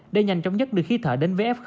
để nhanh chóng nhất được khí thở đến vf